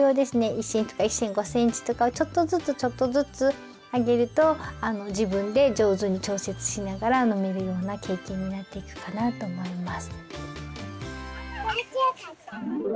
１センチとか１．５センチとかをちょっとずつちょっとずつあげると自分でじょうずに調節しながら飲めるような経験になっていくかなと思います。